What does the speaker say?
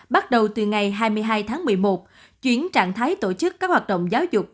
bắt đầu từ ngày hai mươi hai tháng một mươi một chuyến trạng thái tổ chức các hoạt động giáo dục